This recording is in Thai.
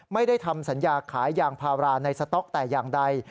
ไม่ได้ทำสัญญาขายยางพาราในสต๊อกแต่อย่างใด